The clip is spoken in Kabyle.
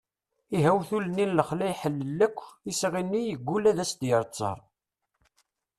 ihi awtul-nni n lexla iḥellel akk isɣi-nni yeggul ad as-d-yerr ttar